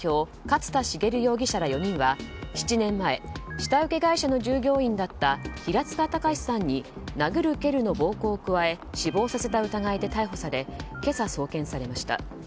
勝田茂容疑者ら４人は７年前下請け会社の従業員だった平塚崇さんに殴る蹴るの暴行を加え死亡させた疑いで逮捕され今朝、送検されました。